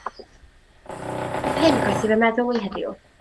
Nath hyn groesi fy meddwl i heddiw.